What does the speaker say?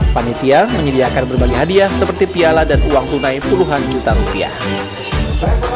panitia menyediakan berbagai hadiah seperti piala dan uang tunai puluhan juta rupiah